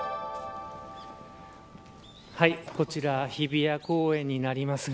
はい、こちら日比谷公園になります。